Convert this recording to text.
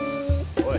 おい。